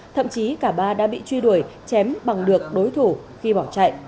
thậm chí cả ba đã bị truy đuổi chém bằng được đối thủ khi bỏ chạy